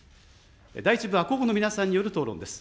第１部は候補の皆さんによる討論です。